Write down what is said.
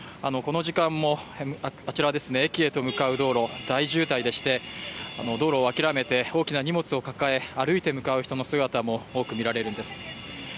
この時間もあちら、駅へと向かう道路、大渋滞でして道路を諦めて、大きな荷物を抱えて歩いて向かう人の姿も多く見られるんです。